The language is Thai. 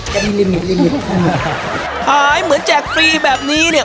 ได้แต่มีลิมิตลิมิตหายเหมือนแจกฟรีแบบนี้เนี้ย